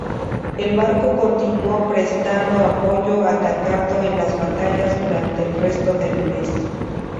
El barco continuo prestando apoyo atacando en las batallas durante el resto del mes.